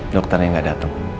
dokternya gak datang